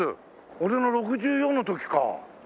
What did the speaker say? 俺が６４の時か。